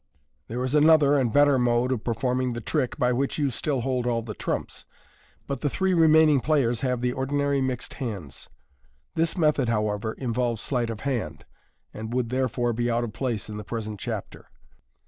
There is another and better mode of performing the trick, by which yon still hold all the MODERN MAGIC. trumps, but the three remaining players have the ordinary mixed hands. This method, however, involves sleight of hand, and would therefore be out of place in the present chapter.